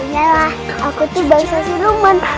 yalah aku tuh bangsa siluman